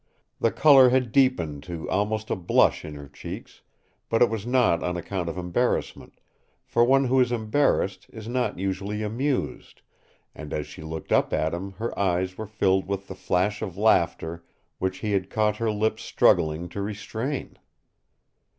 The color had deepened to almost a blush in her cheeks, but it was not on account of embarrassment, for one who is embarrassed is not usually amused, and as she looked up at him her eyes were filled with the flash of laughter which he had caught her lips struggling to restrain.